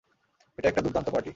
এটা একটা দুর্দান্ত পার্টি।